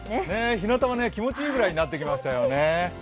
ひなたは気持ちいいぐらいになってきましたよね。